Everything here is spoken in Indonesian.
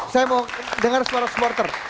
saya mau dengar suara supporter